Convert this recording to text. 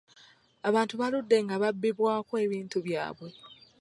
Abantu baludde nga babbibwako ebintu byabwe.